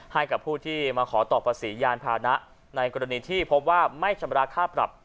ให้กับผู้ที่มาขอต่อภาษียานพานะในกรณีที่พบว่าไม่ชำระค่าปรับ